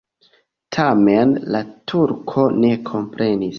Tamen la turko ne komprenis.